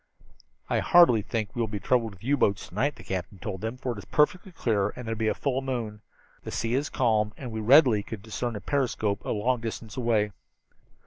"I hardly think we will be troubled with U boats to night," the captain told them, "for it is perfectly clear and there will be a full moon. The sea is calm and we readily could discern a periscope a long distance away."